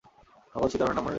ভাগবত সীতারামের নাম করে নাই।